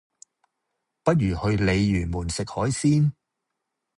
不如去鯉魚門食海鮮？